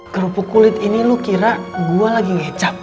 gerupuk kulit ini lo kira gue lagi ngecap